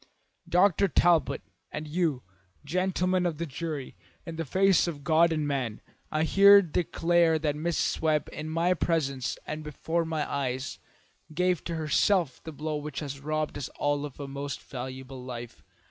Dr. Talbot, and you, gentlemen of the jury, in the face of God and man, I here declare that Mrs. Webb, in my presence and before my eyes, gave to herself the blow which has robbed us all of a most valuable life.